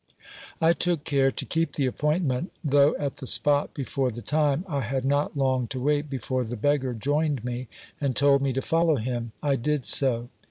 I took care to keep the appointment. Though at the spot before the time, I had not long to wait before the beggar joined me, and told me to follow him. I did so.